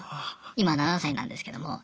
今７歳なんですけども。